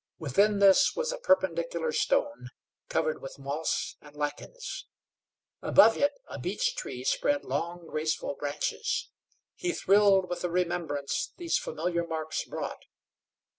Within this was a perpendicular stone covered with moss and lichens; above it a beech tree spread long, graceful branches. He thrilled with the remembrance these familiar marks brought.